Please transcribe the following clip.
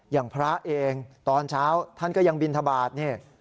อย่างพระเองตอนเช้าท่านก็ยังบินทบาทนี่